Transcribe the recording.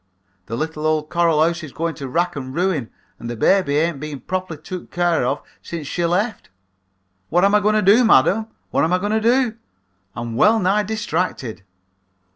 The little old coral house is going to wrack and ruin and the baby ain't been properly took care of since she left. What am I going to do, madam? What am I going to do? I'm well nigh distracted.'